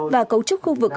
và cấu trúc khu vực